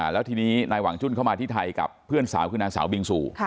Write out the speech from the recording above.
แล้วทีนี้นายหวังจุ้นเข้ามาที่ไทยกับเพื่อนสาวคือนางสาวบิงซู